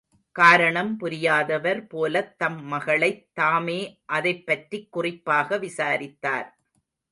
காரணம் புரியாதவர் போலத் தம் மகளைத் தாமே அதைப் பற்றிக் குறிப்பாக விசாரித்தார்.